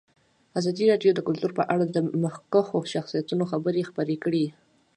ازادي راډیو د کلتور په اړه د مخکښو شخصیتونو خبرې خپرې کړي.